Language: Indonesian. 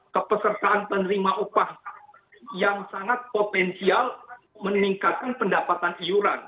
kepesertaan penerima upah yang sangat potensial meningkatkan pendapatan iuran